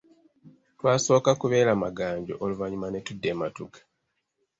Twasooka kubeera Maganjo oluvannyuma ne tudda e Matugga.